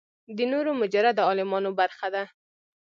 د نورو مجرده عالمونو برخه ده.